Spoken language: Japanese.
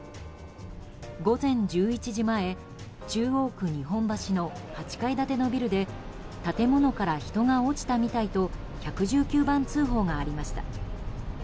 午前１１時前中央区日本橋の８階建てビルで建物から人が落ちたみたいと１１９番通報がありました。